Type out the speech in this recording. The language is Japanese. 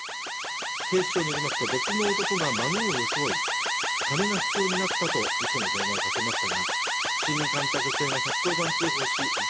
警視庁によりますと別の男が孫を装い金が必要になったと嘘の電話をかけましたが不審に感じた女性が１１０番通報し受け